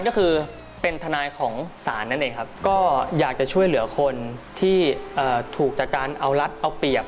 ก็คือเป็นทนายของศาลนั่นเองครับก็อยากจะช่วยเหลือคนที่ถูกจากการเอารัฐเอาเปรียบ